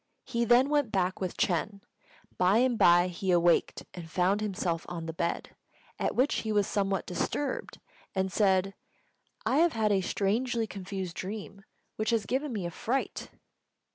He then went back with Ch'êng. By and by he awaked and found himself on the bed, at which he was somewhat disturbed, and said, "I have had a strangely confused dream, which has given me a fright."